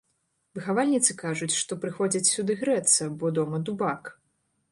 Выхавальніцы кажуць, што прыходзяць сюды грэцца, бо дома дубак.